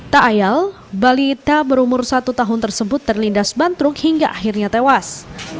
tak ayal balita berumur satu tahun tersebut terlindas bantruk hingga akhirnya tewas